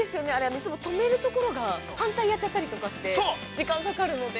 いつも止めるところが反対にやったりとかして、時間がかかるので。